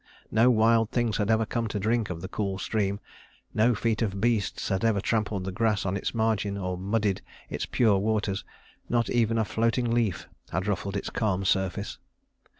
No wild things had ever come to drink of the cool stream; no feet of beasts had ever trampled the grass on its margin or muddied its pure waters; not even a floating leaf had ruffled its calm surface.